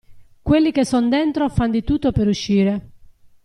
Quelli che son dentro, fan di tutto per uscire.